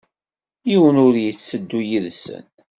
Yiwen ur yetteddu yid-sen.